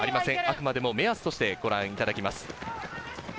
あくまでも目安としてご覧いただきます。